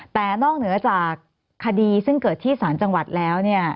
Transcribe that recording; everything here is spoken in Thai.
แต่นอกเหนือจากคดีซึ่งเกิดที่สารจังหวัดแล้ว